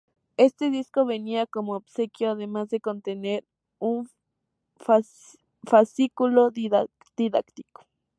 Este disco venía como obsequio además de contener un fascículo didáctico.